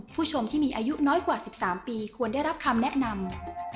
ผู้ชมที่มีอายุน้อยกว่า๑๓ปีควรได้รับคำแนะนำ